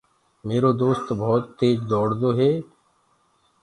ميرو دوست ڀوت تيج دوڙ دو هي۔